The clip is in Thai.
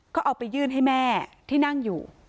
ก็เอาไปยื่นให้แม่ที่นั่งอยู่